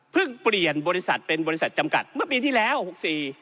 เปลี่ยนบริษัทเป็นบริษัทจำกัดเมื่อปีที่แล้วหกสี่